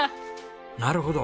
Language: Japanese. なるほど。